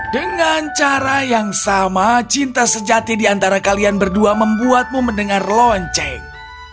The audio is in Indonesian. dengan cara yang sama cinta sejati diantara kalian berdua membuatmu mendengar lonceng